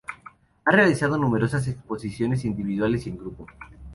Ha realizado numerosas exposiciones individuales y en grupo.